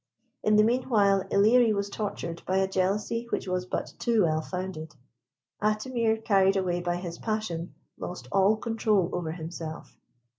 In the meanwhile Ilerie was tortured by a jealousy which was but too well founded. Atimir, carried away by his passion, lost all control over himself.